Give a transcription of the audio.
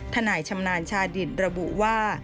นายชำนาญชาดิตระบุว่า